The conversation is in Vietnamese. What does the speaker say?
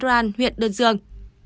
ràn huyện đơn dương